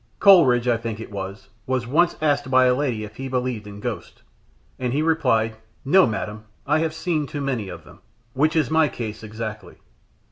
Coleridge, I think it was, was once asked by a lady if he believed in ghosts, and he replied, "No, madame; I have seen too many of them." Which is my case exactly.